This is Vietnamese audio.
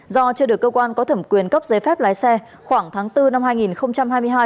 do chưa được cơ quan có thẩm quyền cấp giấy phép lái xe khoảng tháng bốn năm hai nghìn hai mươi hai